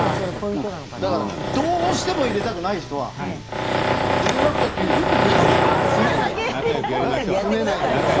どうしても入れたくない人は入れなくたっていいですよ。